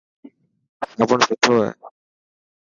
صابڻ سٺو هي.